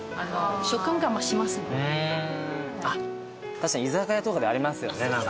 確かに居酒屋とかでありますよね。